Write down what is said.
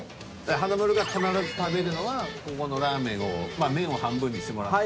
華丸が必ず食べるのはここのラーメンを麺を半分にしてもらって。